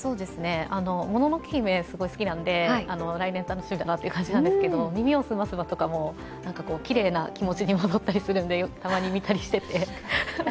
「もののけ姫」、すごい好きなので来年楽しみだなという感じなんですけど「みみを澄ませば」とかもきれいな気持ちに戻ったりするので、たまに見たりしていて。